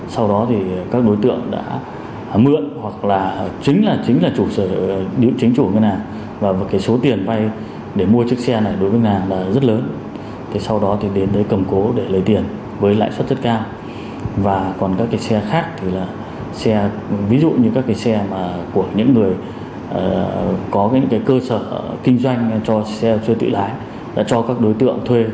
sau đó thì các đối tượng đã mượn hoặc là chính là chủ sở điệu chính chủ ngân hàng và số tiền vay để mua chiếc xe này đối với ngân hàng là rất lớn